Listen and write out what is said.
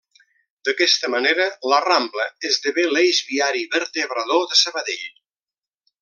D'aquesta manera la Rambla esdevé l'eix viari vertebrador de Sabadell.